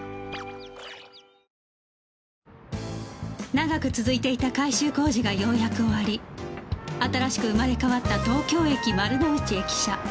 長く続いていた改修工事がようやく終わり新しく生まれ変わった東京駅丸の内駅舎